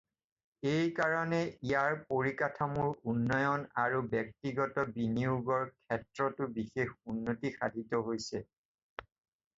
এই কাৰণে ইয়াৰ পৰিকাঠামোৰ উন্নয়ন আৰু ব্যক্তিগত বিনিয়োগৰ ক্ষেত্ৰতো বিশেষ উন্নতি সাধিত হৈছে।